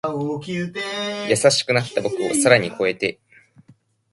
優しくなった僕を更に越えて